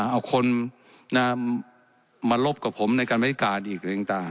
เอาคนมาลบกับผมในการบริการอีก